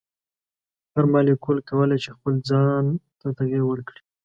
هر مالیکول کولی شي خپل ځای ته تغیر ورکړي.